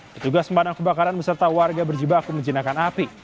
petugas memadam kebakaran beserta warga berjebak menjenakan api